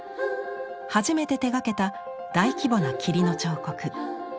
初めて手がけた大規模な「霧の彫刻」。